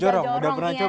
jorong udah pernah coba